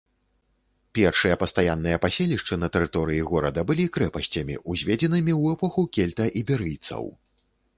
Першыя пастаянныя паселішчы на тэрыторыі горада былі крэпасцямі, узведзенымі ў эпоху кельта-іберыйцаў.